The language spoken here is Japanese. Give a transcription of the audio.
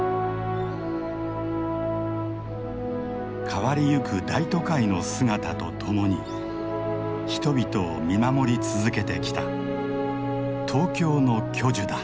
変わりゆく大都会の姿とともに人々を見守り続けてきた東京の巨樹だ。